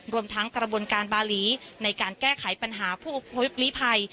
รวมทั้งกระบวนการบาหลีในการแก้ไขปัญหาผู้อุพลีภัย